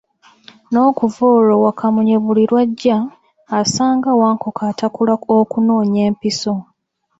N'okuva olwo Wakamunye buli lw'ajja, asanga Wankoko atakula okunoonya empiso.